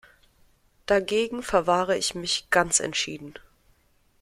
Dagegen verwahre ich mich ganz entschieden.